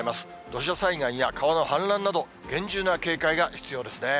土砂災害や川の氾濫など、厳重な警戒が必要ですね。